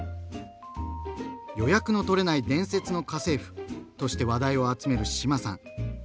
「予約のとれない伝説の家政婦」として話題を集める志麻さん。